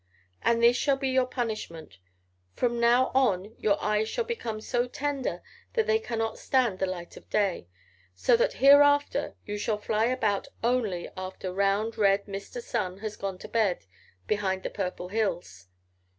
And this shall be your punishment: From now on your eyes shall become so tender that they cannot stand the light of day, so that hereafter you shall fly about only after round, red Mr. Sun has gone to bed behind the Purple Hills.